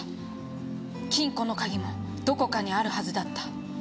「金庫の鍵もどこかにあるはずだった」